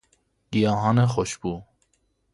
گیاهان خوشبو